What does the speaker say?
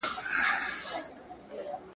چي مو نه وینمه غم به مي په کور سي .